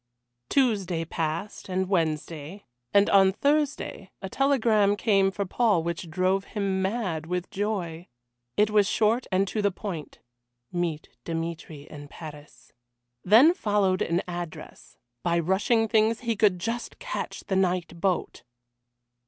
Tuesday passed, and Wednesday, and on Thursday a telegram came for Paul which drove him mad with joy. It was short and to the point: "Meet Dmitry in Paris," Then followed an address. By rushing things he could just catch the night boat.